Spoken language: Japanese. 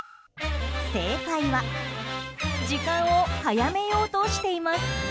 正解は時間を早めようとしています。